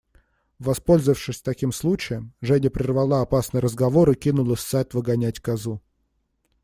Воспользовавшись таким случаем, Женя прервала опасный разговор и кинулась в сад выгонять козу.